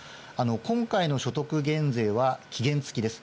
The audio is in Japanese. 今回の所得減税は期限付きです。